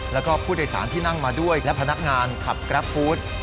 แล้วก็ผู้โดยสารที่นั่งมาด้วยและพนักงานขับกราฟฟู้ด